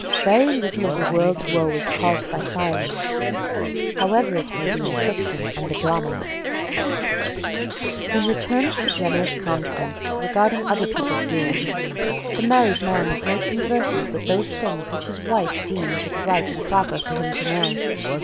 Very little of the world's woe is caused by silence, however it may be in fiction and the drama. [Sidenote: Exchange of Confidence] In return for the generous confidence regarding other people's doings, the married man is made conversant with those things which his wife deems it right and proper for him to know.